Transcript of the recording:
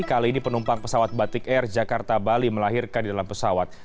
kali ini penumpang pesawat batik air jakarta bali melahirkan di dalam pesawat